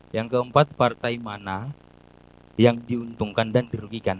yang keempat partai mana yang diuntungkan dan dirugikan